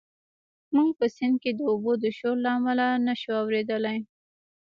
موږ په سیند کې د اوبو د شور له امله نه شوای اورېدلی.